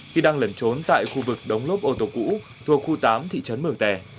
khi đang lẩn trốn tại khu vực đống lốp ô tô cũ thuộc khu tám thị trấn mường tè